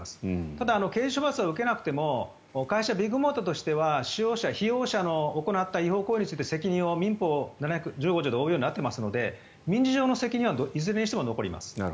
ただ、刑事処罰は受けなくても会社、ビッグモーターとしては被用者の行った違法行為について民法７１５条で行うようになっていますので民事上の責任はいずれにしても残ります。